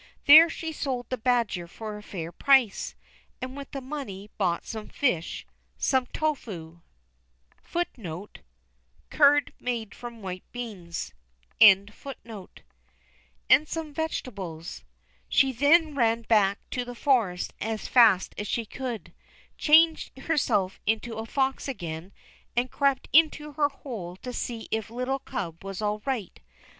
There she sold the badger for a fair price, and with the money bought some fish, some tofu, and some vegetables. She then ran back to the forest as fast as she could, changed herself into a fox again, and crept into her hole to see if little Cub was all right.